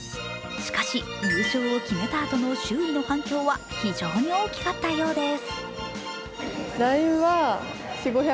しかし、優勝を決めたあとも周囲の反響は非常に大きかったようです。